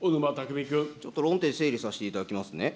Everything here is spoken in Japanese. ちょっと論点整理させていただきますね。